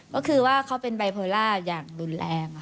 ก็คือว่าเขาเป็นไบโพล่าอย่างรุนแรง